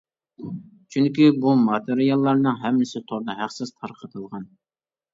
چۈنكى بۇ ماتېرىياللارنىڭ ھەممىسى توردا ھەقسىز تارقىتىلغان.